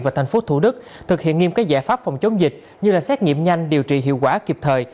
và thành phố thủ đức thực hiện nghiêm các giải pháp phòng chống dịch như xét nghiệm nhanh điều trị hiệu quả kịp thời